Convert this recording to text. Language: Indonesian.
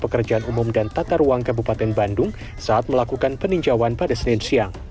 pekerjaan umum dan tata ruang kabupaten bandung saat melakukan peninjauan pada senin siang